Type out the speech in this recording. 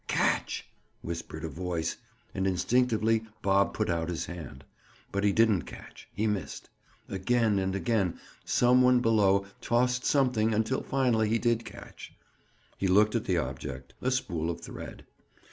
"Catch," whispered a voice and instinctively Bob put out his hand. But he didn't catch; he missed. Again and again some one below tossed something until finally he did catch. He looked at the object—a spool of thread.